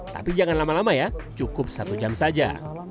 tapi jangan lama lama ya cukup satu jam saja